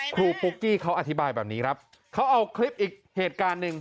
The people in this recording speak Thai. ปุ๊กกี้เขาอธิบายแบบนี้ครับเขาเอาคลิปอีกเหตุการณ์หนึ่ง